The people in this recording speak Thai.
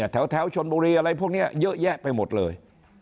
แถวชนบุรีอะไรพวกนี้เยอะแยะไปหมดเลย